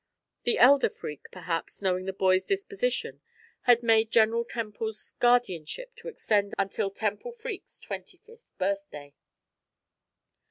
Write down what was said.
The elder Freke, perhaps, knowing the boy's disposition, had made General Temple's guardianship to extend until Temple Freke's twenty fifth birthday.